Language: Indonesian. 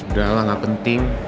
udah lah gak penting